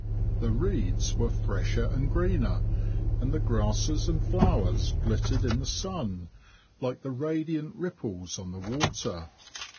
The reeds were fresher and greener, and the grasses and flowers glittered in the sun, like the radiant ripples on the water.